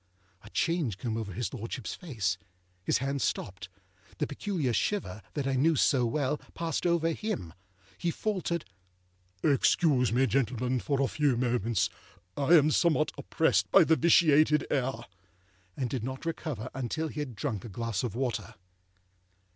A change came over his Lordshipâs face; his hand stopped; the peculiar shiver, that I knew so well, passed over him; he faltered, âExcuse me, gentlemen, for a few moments. I am somewhat oppressed by the vitiated air;â and did not recover until he had drunk a glass of water.